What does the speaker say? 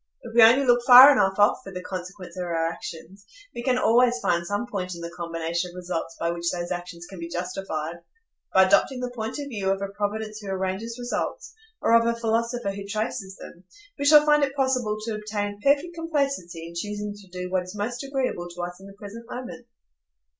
If we only look far enough off for the consequence of our actions, we can always find some point in the combination of results by which those actions can be justified; by adopting the point of view of a Providence who arranges results, or of a philosopher who traces them, we shall find it possible to obtain perfect complacency in choosing to do what is most agreeable to us in the present moment.